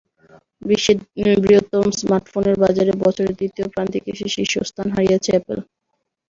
বিশ্বের বৃহত্তম স্মার্টফোনের বাজারে বছরের দ্বিতীয় প্রান্তিকে এসে শীর্ষস্থান হারিয়েছে অ্যাপল।